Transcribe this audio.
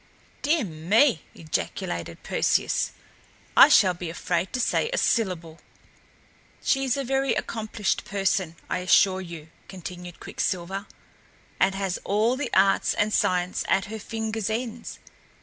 "Dear me!" ejaculated Perseus; "I shall be afraid to say a syllable." "She is a very accomplished person, I assure you," continued Quicksilver, "and has all the arts and science at her fingers' ends.